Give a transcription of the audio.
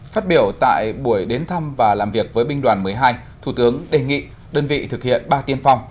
phát biểu tại buổi đến thăm và làm việc với binh đoàn một mươi hai thủ tướng đề nghị đơn vị thực hiện ba tiên phong